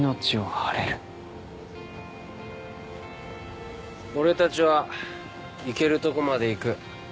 俺たちはいけるとこまでいく。